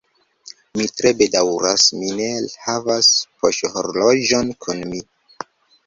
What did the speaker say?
Mi tre bedaŭras, mi ne havas poŝhorloĝon kun mi.